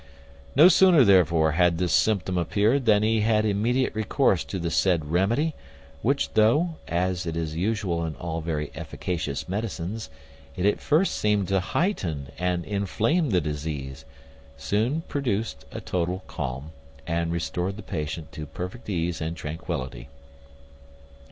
No sooner, therefore, had this symptom appeared, than he had immediate recourse to the said remedy, which though, as it is usual in all very efficacious medicines, it at first seemed to heighten and inflame the disease, soon produced a total calm, and restored the patient to perfect ease and tranquillity.